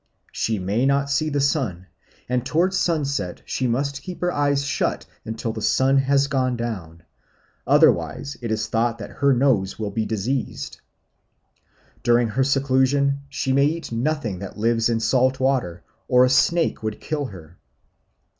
She may not see the sun, and towards sunset she must keep her eyes shut until the sun has gone down, otherwise it is thought that her nose will be diseased. During her seclusion she may eat nothing that lives in salt water, or a snake would kill her.